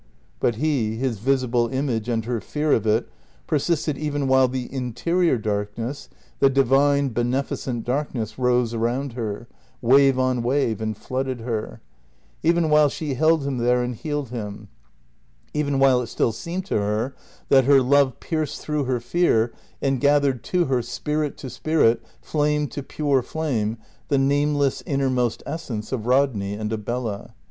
But he, his visible image, and her fear of it, persisted even while the interior darkness, the divine, beneficent darkness rose round her, wave on wave, and flooded her; even while she held him there and healed him; even while it still seemed to her that her love pierced through her fear and gathered to her, spirit to spirit, flame to pure flame, the nameless, innermost essence of Rodney and of Bella.